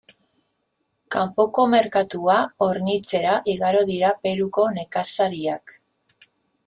Kanpoko merkatua hornitzera igaro dira Peruko nekazariak.